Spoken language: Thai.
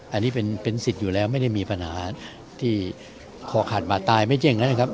อันนี้เป็นสิทธิ์อยู่แล้วไม่ได้มีปัญหาที่คอขาดมาตายไม่แจ้งแล้วนะครับ